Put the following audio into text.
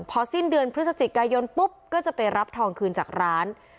พอสิ้นเดือนพฤศจิกายนปุ๊บก็จะไปรับทองคืนจากร้าน